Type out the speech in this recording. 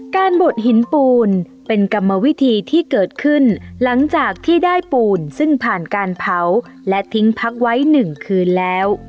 บดหินปูนเป็นกรรมวิธีที่เกิดขึ้นหลังจากที่ได้ปูนซึ่งผ่านการเผาและทิ้งพักไว้๑คืนแล้ว